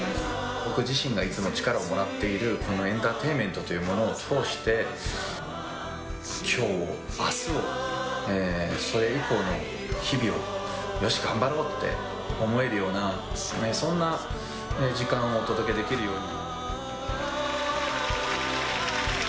僕自身がいつも力をもらっているこのエンターテインメントというものを通して、きょう、あすを、それ以降の日々を、よし頑張ろうって思えるような、そんな時間をお届けできるように。